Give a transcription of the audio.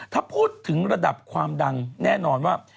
ถ้าพูดถึงระดับความดังแน่นอนว่า